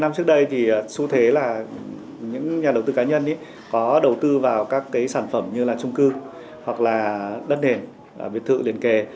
năm trước đây số thế là những nhà đầu tư cá nhân có đầu tư vào các sản phẩm như trung cư đất nền việt thự liền kề